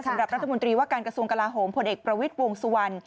สำหรับรัฐมนตรีว่าการกระทรวงกลาโหมผลเอกประวิทย์วงสุวรรณ